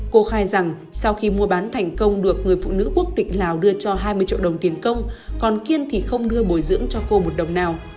cô khai rằng sau khi mua bán thành công được người phụ nữ quốc tịch lào đưa cho hai mươi triệu đồng tiền công còn kiên thì không đưa bồi dưỡng cho cô một đồng nào